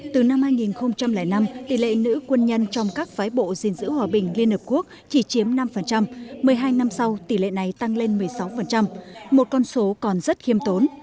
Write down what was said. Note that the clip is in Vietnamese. từ năm hai nghìn năm tỷ lệ nữ quân nhân trong các phái bộ gìn giữ hòa bình liên hợp quốc chỉ chiếm năm một mươi hai năm sau tỷ lệ này tăng lên một mươi sáu một con số còn rất khiêm tốn